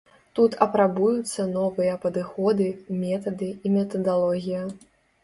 Тут апрабуюцца новыя падыходы, метады і метадалогія.